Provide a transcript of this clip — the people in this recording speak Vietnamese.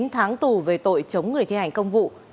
chín tháng tù về tội chống người thi hành công vụ